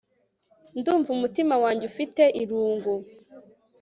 Ndumva umutima wanjye ufite irungu